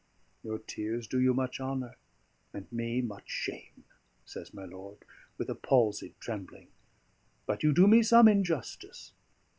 "Your tears do you much honour and me much shame," says my lord, with a palsied trembling. "But you do me some injustice.